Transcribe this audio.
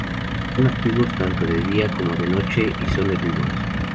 Son activos tanto de día como de noche y son herbívoros.